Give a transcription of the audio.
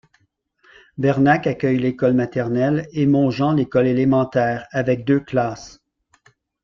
Bernac accueille l'école maternelle et Montjean l'école élémentaire, avec deux classes.